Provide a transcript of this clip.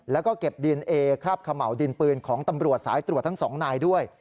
แล้วก็เก็บดีเอนเอคราบเขม่าวดินปืนของตำรวจสายตรวจทั้งสองนายด้วย